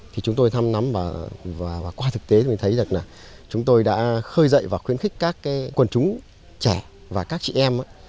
thì chúng tôi thăm nắm và qua thực tế thì mình thấy rằng là chúng tôi đã khơi dậy và khuyến khích các quần chúng trẻ và các chị em